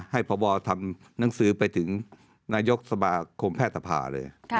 พบทำหนังสือไปถึงนายกสมาคมแพทย์สภาเลย